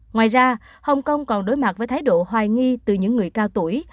ngoài ra hồng kông còn đối mặt với thái độ hoài nghi từ những người cao tuổi